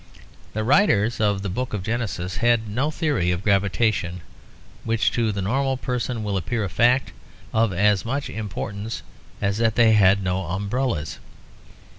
The writers of the Book of Genesis had no theory of gravitation, which to the normal person will appear a fact of as much importance as that they had no umbrellas.